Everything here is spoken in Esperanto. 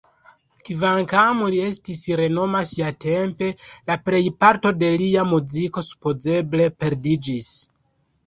Kvankam li estis renoma siatempe, la plejparto de lia muziko supozeble perdiĝis.